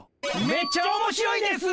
めっちゃ面白いです。